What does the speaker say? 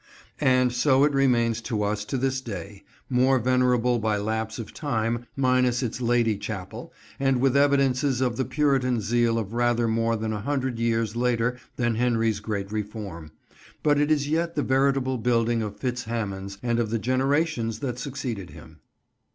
And so it remains to us to this day, more venerable by lapse of time, minus its Lady Chapel, and with evidences of the puritan zeal of rather more than a hundred years later than Henry's great reform; but it is yet the veritable building of Fitz Hamon's and of the generations that succeeded him.